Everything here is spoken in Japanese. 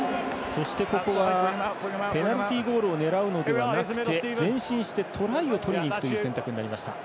そして、ここはペナルティゴールを狙うのではなくて前進してトライを取りにいく選択になりました。